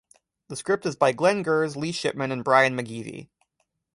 The script is by Glen Gers, Lee Shipman, and Brian McGeevy.